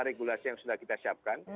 regulasi yang sudah kita siapkan